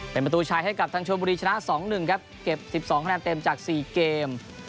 เป็นประตูชัยให้กับทางชวนบุรีชนะ๒๑ครับเก็บ๑๒คะแนนเต็มจาก๔เกม